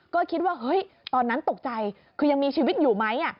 ก็คิดว่าเฮ้ยตอนนั้นตกใจคือยังมีชีวิตอยู่ไหม